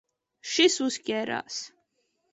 Šis uzķērās.